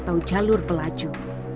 atau jalur pelaju